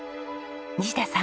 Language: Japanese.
西田さん。